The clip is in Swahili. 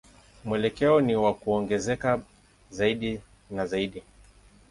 Mwelekeo ni wa kuongezeka zaidi na zaidi.